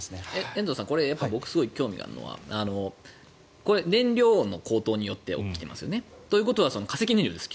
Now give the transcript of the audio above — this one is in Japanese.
延増さん僕すごいこれ興味があるのはこれ、燃料の高騰によって起きていますよね。ということは化石燃料です